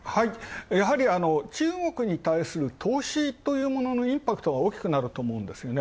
やはり中国に対スリランカう投資というもののインパクトが大きくなると思うんですよね。